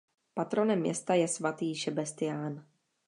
Patronem města je svatý Šebestián.